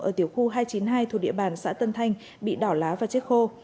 ở tiểu khu hai trăm chín mươi hai thuộc địa bàn xã tân thanh bị đỏ lá và chết khô